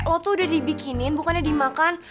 lo tuh udah dibikinin bukannya dimakan